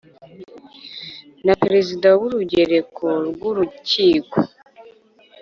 na Perezida w Urugereko rw Urukiko